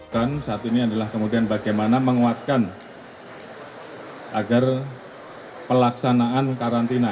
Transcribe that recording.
dan saat ini adalah kemudian bagaimana menguatkan agar pelaksanaan karantina